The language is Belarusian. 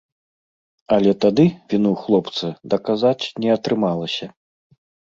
Але тады віну хлопца даказаць не атрымалася.